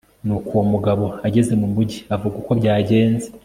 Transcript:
nuko uwo mugabo ageze mu mugi avuga uko byagenze